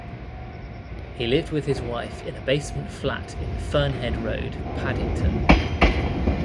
He lived with his wife in a basement flat in Fernhead Road, Paddington.